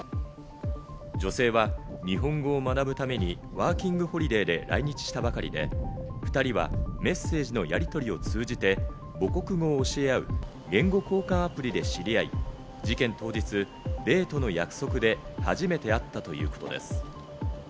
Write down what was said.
女性は日本語を学ぶためにワーキングホリデーで来日したばかりで、２人はメッセージのやりとりを通じて、母国を教え合う言語交換アプリで知り合い、事件当日、デートの約束で初めて会ったということです。